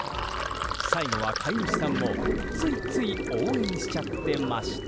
最後は飼い主さんもついつい応援しちゃってました。